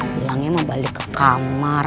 bilangnya mau balik ke kamar